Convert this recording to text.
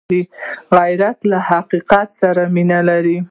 غیرت له حق سره مینه ده